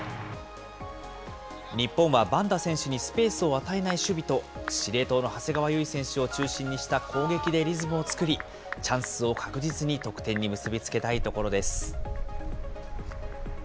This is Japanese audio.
日本はバンダ選手にスペースを与えない守備と、司令塔の長谷川唯選手を中心にした攻撃でリズムを作り、チャンスを確実に得点に結びつけたいところです。